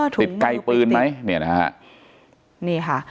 ติดใกล้ปืนไหมเนี่ยครับ